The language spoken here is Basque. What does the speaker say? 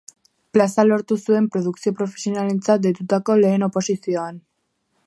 Plaza lortu zuen, produkzio-profesionalentzat deitutako lehen oposizioan.